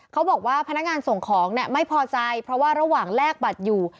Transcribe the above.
เขาบอกว่าพนักงานส่งของไม่พอใจเพราะว่าระหว่างแลกบัตรอยู่